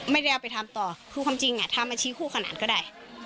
ไม่ได้เอาไปทำต่อคือความจริงทำอาชีพคู่ขนาดก็ได้